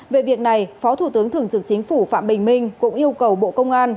về việc này phó thủ tướng thường trực chính phủ phạm bình minh cũng yêu cầu bộ công an